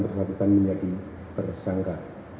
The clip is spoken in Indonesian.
bersatukan menjadi tersangka